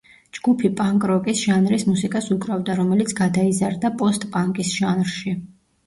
ჯგუფი პანკ როკის ჟანრის მუსიკას უკრავდა, რომელიც გადაიზარდა პოსტ-პანკის ჟანრში.